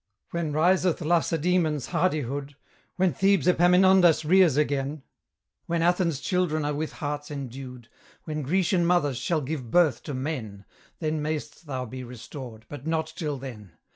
When riseth Lacedaemon's hardihood, When Thebes Epaminondas rears again, When Athens' children are with hearts endued, When Grecian mothers shall give birth to men, Then mayst thou be restored; but not till then.